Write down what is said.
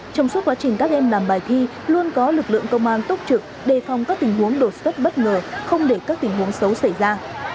trong suốt quá trình các em làm bài thi luôn có lực lượng công an túc trực đề phòng các tình huống đột xuất bất ngờ không để các tình huống xấu xảy ra